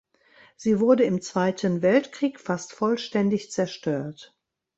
Sie wurde im Zweiten Weltkrieg fast vollständig zerstört.